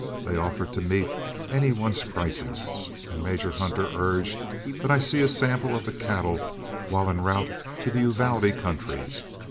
They offered to meet any one's prices, and Major Hunter urged that I see a sample of the cattle while en route to the Uvalde country.